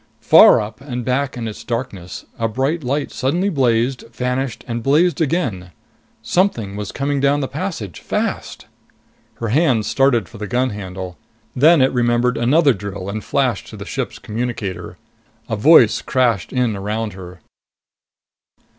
Far up and back in its darkness, a bright light suddenly blazed, vanished, and blazed again. Something was coming down the passage, fast.... Her hand started for the gun handle. Then it remembered another drill and flashed to the suit's communicator. A voice crashed in around her.